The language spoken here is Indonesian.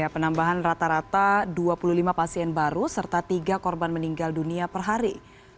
penambahan rata rata dua puluh lima pasien baru serta tiga korban meninggal dunia per hari